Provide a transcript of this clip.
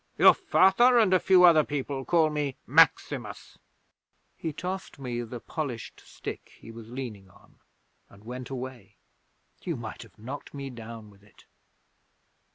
Your Father and a few other people call me Maximus." 'He tossed me the polished stick he was leaning on, and went away. You might have knocked me down with it!'